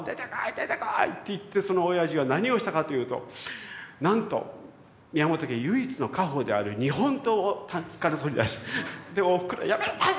出てこい！」って言ってそのおやじは何をしたかというとなんと宮本家唯一の家宝である日本刀をタンスから取り出しおふくろは「やめなさいよ！